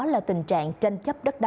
là tình trạng tranh chấp đất đá